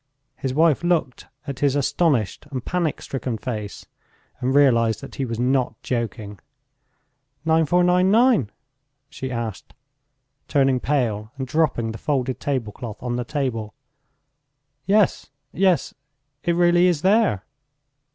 His wife looked at his astonished and panic stricken face, and realized that he was not joking. "9,499?" she asked, turning pale and dropping the folded tablecloth on the table. "Yes, yes... it really is there!"